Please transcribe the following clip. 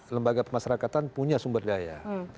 lembaga pemasyarakatan punya sumber daya